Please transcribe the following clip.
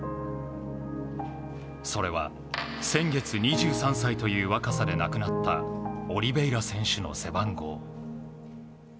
それは、先月２３歳という若さで亡くなったオリベイラ選手の背番号。